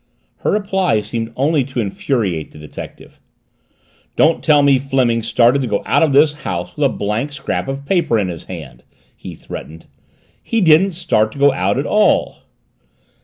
Her reply seemed only to infuriate the detective. "Don't tell me Fleming started to go out of this house with a blank scrap of paper in his hand," he threatened. "He didn't start to go out at all!"